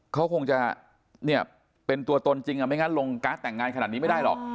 เขาคงจะเป็นตัวตนจริงไม่งั้นลงการ์ดแต่งงานขนาดนี้ไม่ได้หรอก